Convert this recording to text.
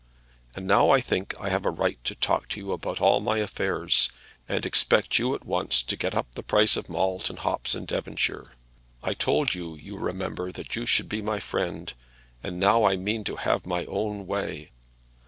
And now I think I have a right to talk to you about all my affairs, and expect you at once to get up the price of malt and hops in Devonshire. I told you, you remember, that you should be my friend, and now I mean to have my own way.